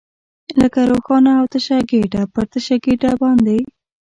لکه روښانه او تشه ګېډه، پر تشه ګېډه باندې.